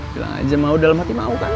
bilang aja mau dalam hati mau kan